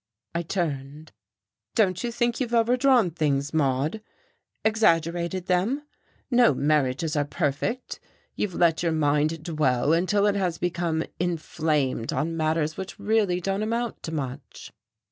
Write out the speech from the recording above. I turned. "Don't you think you've overdrawn things, Maude exaggerated them? No marriages are perfect. You've let your mind dwell until it has become inflamed on matters which really don't amount to much."